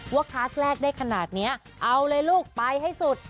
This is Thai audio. คลาสแรกได้ขนาดนี้เอาเลยลูกไปให้สุด